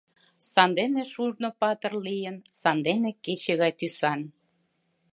Сандене шурно патыр лийын, Сандене кече гай тӱсан.